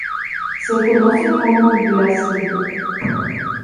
Se conoce como "bea simple".